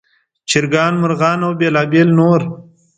چرګان، مرغان او بېلابېل نور.